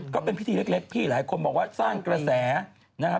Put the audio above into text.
ก็เป็นพิธีเล็กพี่หลายคนบอกว่าสร้างกระแสนะฮะ